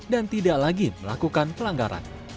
dan tidak lagi melakukan pelanggaran